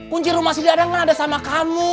kunci rumah si dadang gak ada sama kamu